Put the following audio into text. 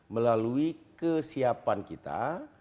melalui kesiapan kita